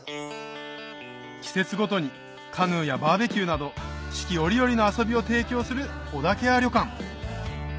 季節ごとにカヌーやバーベキューなど四季折々の遊びを提供する小竹屋旅館